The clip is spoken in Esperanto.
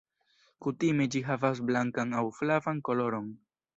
Kutime ĝi havas blankan aŭ flavan koloron.